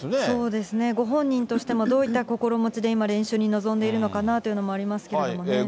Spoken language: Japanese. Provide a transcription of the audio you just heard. そうですね、ご本人としても、どういった心持ちで今、練習に臨んでいるのかなというのもありますけれどもね。